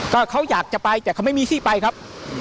ก็เขาอยากจะไปแต่เขาไม่มีที่ไปครับ